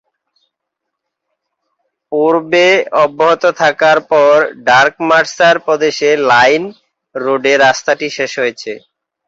পূর্বে অব্যাহত থাকার পর ডার্ক-মার্সার প্রদেশে লাইন রোডে রাস্তাটি শেষ হয়েছে।